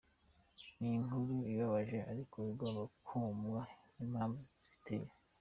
Ni inkuru ibabaje ariko igomba kumvwa n’impamvu zibiteye.